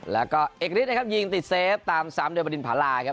แล้วก็เอกลิดนะครับยิงติดเซฟตาม๓โดยบริณภาราครับ